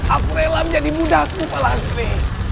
aku rela menjadi budakmu palasri